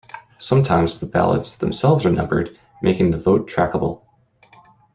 Sometimes the ballots themselves are numbered, making the vote trackable.